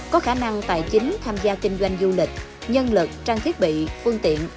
có khả năng tài chính tham gia kinh doanh du lịch nhân lực trang thiết bị phương tiện